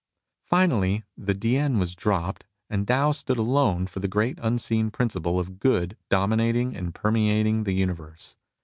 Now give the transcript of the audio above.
Finally the " T'ien " was dropped, and Tao then stood alone for the great unseen prin ciple of Good dominating and permeating the Universe.